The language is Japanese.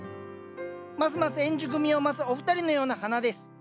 ますます円熟味を増すお二人のような花です！